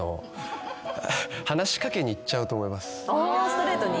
ストレートに？